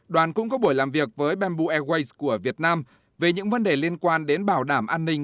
đoàn cũng có buổi làm việc với bamboo airways của việt nam về những vấn đề liên quan đến bảo đảm an ninh